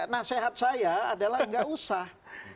nasehat saya adalah gak usah